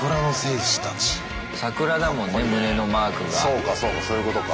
そうかそうかそういうことか。